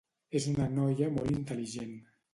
És una noia molt intel·ligent".